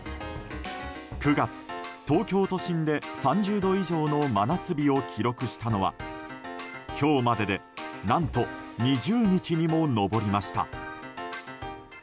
９月東京都心で３０度以上の真夏日を記録したのは今日までで何と２０日にも上りました。